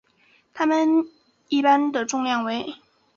它们一般的重量为。